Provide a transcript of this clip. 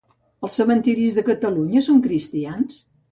Els cementiris de Catalunya són cristians?